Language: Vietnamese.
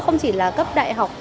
không chỉ là cấp đại học